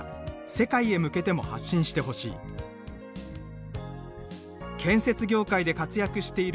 世界へ向けても発信してほしい」「建設業界で活躍している女性も多い。